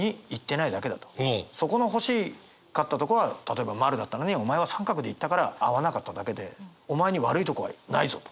そこの欲しかったとこは例えば円だったのにお前は三角で行ったから合わなかっただけでお前に悪いとこはないぞと。